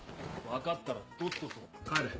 分かったらとっとと帰れ。